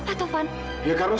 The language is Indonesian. bukan percaya ibu